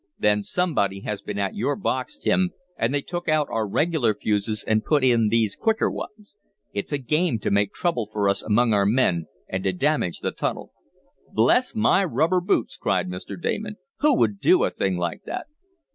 "Then somebody has been at your box, Tim, and they took out our regular fuses and put in these quicker ones. It's a game to make trouble for us among our men, and to damage the tunnel." "Bless my rubber boots!" cried Mr. Damon. "Who would do a thing like that?"